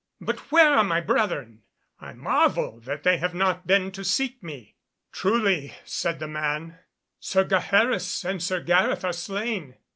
But where are my brethren? I marvel they have not been to seek me." "Truly," said the man, "Sir Gaheris and Sir Gareth are slain."